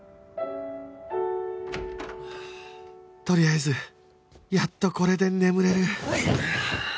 とりあえずやっとこれで眠れる！